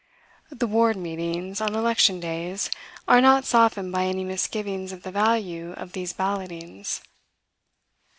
The ward meetings, on election days, are not softened by any misgivings of the value of these ballotings.